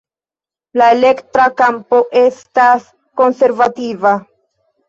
La elektra kampo estas konservativa.